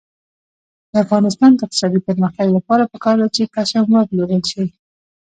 د افغانستان د اقتصادي پرمختګ لپاره پکار ده چې پشم وپلورل شي.